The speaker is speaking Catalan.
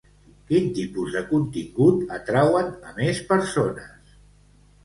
Quin tipus de contingut atrauen a més persones?